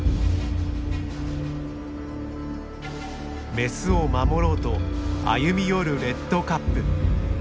メスを守ろうと歩み寄るレッドカップ。